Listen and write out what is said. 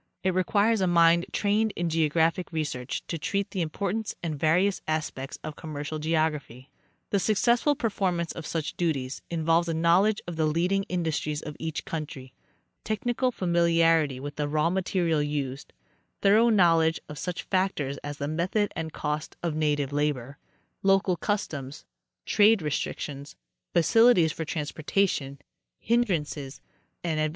It requires a mind trained in geographic research to treat the important and various aspects of commercial geography. The successful performance of such duties involves a knowledge of the leading industries of each country ; technical familiarity with the raw material used; thorough knowledge of such factors as the method and cost of native labor; local customs ; trade re strictions; facilities for transportation; hindrances and advan 28—Nat, Grog. Maa., von. VI, 1894, 204 A. W. Greely—Annual Address.